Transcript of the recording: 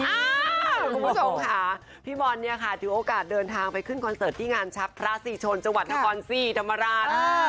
ผู้ชมค่ะพี่บอลถือกลอยเดินทางไปคุ้นคอนเสิร์ตที่งานชักพระสิชนจังหวัดนคร๔ธรรมาราช